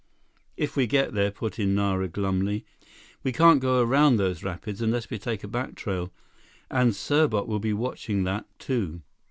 "If we get there," put in Nara glumly. "We can't go around those rapids unless we take a back trail, and Serbot will be watching that, too."